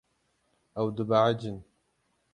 Ew dibehecin.